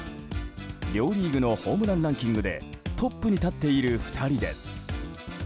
両リーグのホームランランキングでトップに立っている２人です。